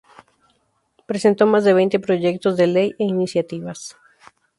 Presentó más de veinte proyectos de ley e iniciativas.